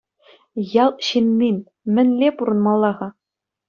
Ял ҫыннин мӗнле пурӑнмалла-ха?